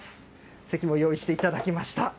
席も用意していただきました。